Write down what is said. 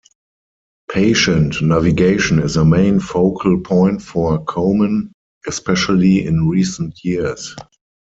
Patient navigation is a main focal point for Komen, especially in recent years.